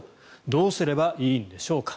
どうすればいいんでしょうか。